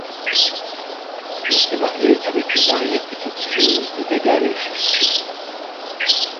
Il s'est marié avec une arrière-petite-fille de Dagalaiphus.